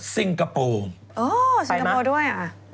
อ้อซิงกาโปร์ด้วย